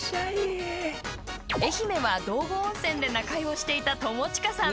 愛媛は道後温泉で仲居をしていた友近さん。